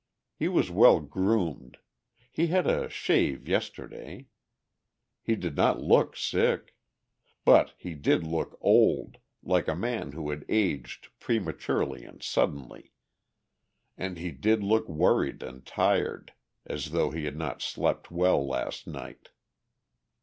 He was well groomed; he had had a shave yesterday; he did not look sick. But he did look old, like a man who had aged prematurely and suddenly; and he did look worried and tired, as though he had not slept well last night.